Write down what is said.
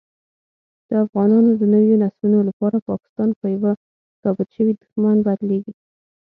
او دافغانانو دنويو نسلونو لپاره پاکستان په يوه ثابت شوي دښمن بدليږي